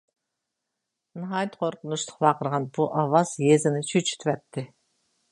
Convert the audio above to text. ناھايىتى قورقۇنچلۇق ۋارقىرىغان بۇ ئاۋاز يېزىنى چۆچۈتۈۋەتتى.